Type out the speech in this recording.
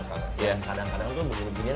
kadang kadang tuh begini begini